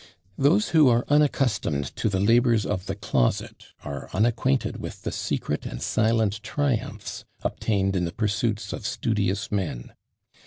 Those who are unaccustomed to the labours of the closet are unacquainted with the secret and silent triumphs obtained in the pursuits of studious men.